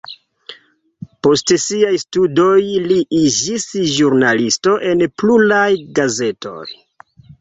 Post siaj studoj li iĝis ĵurnalisto en pluraj gazetoj.